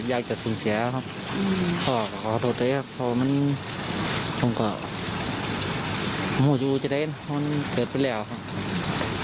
อยากจะสูญเสียครับอืมขอโทษด้วยครับเพราะมันจงกว่ามันเกิดไปแล้วครับ